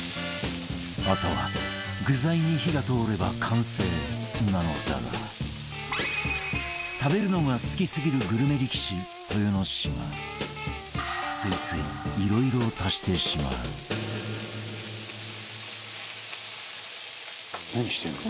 あとは、具材に火が通れば完成なのだが食べるのが好きすぎるグルメ力士、豊ノ島ついついいろいろ足してしまうバカリズム：何してるの？